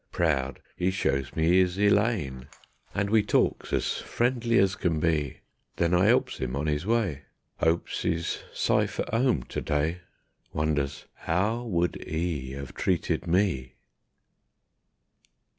Proud 'e shows me 'is Elaine, And we talks as friendly as can be; Then I 'elps 'im on 'is way, 'Opes 'e's sife at 'ome to day, Wonders _'OW WOULD 'E 'AVE TREATED ME?